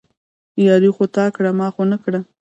ياري خو تا کړه، ما خو نه کړه